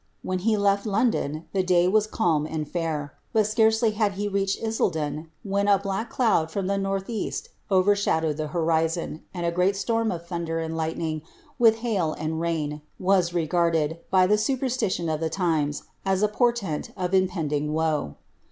When he left London, the day was calm and fair ; but scarcely had he reached Isel den, when a black cloud from the north east overshadowed the horizon, and a great storm of thunder and lightning, with hail and rain, was re girded, by the superstition of the times, as a portent of impending woe.'